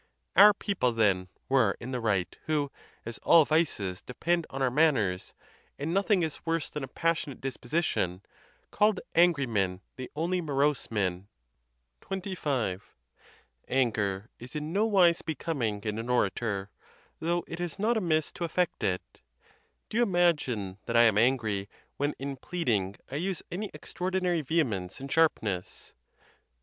Our people, then, were in the right, who, as all vices depend on our manners, and nothing is worse than a passionate dispo sition, called angry men the only morose men.* XXYV. Anger is in no wise becoming in an orator, though it is not amiss to affect it. Do you imagine that I am angry when in pleading I use any extraordinary ve hemence and sharpness?